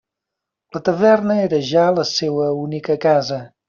La taverna era ja la seua única casa.